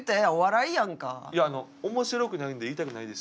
いや面白くないんで言いたくないです。